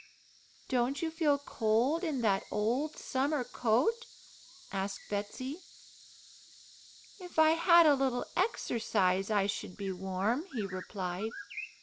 "Don't you feel cold in that old summer coat?" asked Betsey. "If I bad a little exercise, I should be warm," he replied.